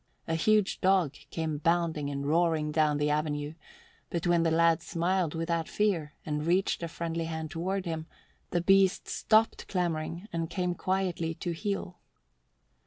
A huge dog came bounding and roaring down the avenue, but when the lad smiled without fear and reached a friendly hand toward him, the beast stopped clamouring and came quietly to heel.